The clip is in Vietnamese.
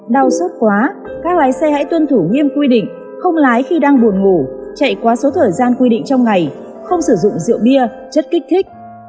đau xót quá các lái xe hãy tuân thủ nghiêm quy định không lái khi đang buồn ngủ chạy quá số thời gian quy định trong ngày không sử dụng rượu bia chất kích thích